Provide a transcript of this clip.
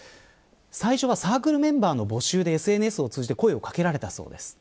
最初はサークルメンバーの募集でＳＮＳを通じて声を掛けられたそうです。